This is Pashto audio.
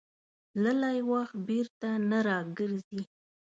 تللی وخت بېرته نه راګرځي.